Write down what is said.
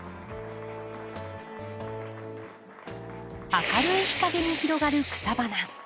明るい日かげに広がる草花。